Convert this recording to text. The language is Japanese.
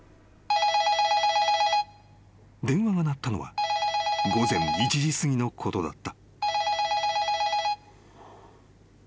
☎［電話が鳴ったのは午前１時すぎのことだった］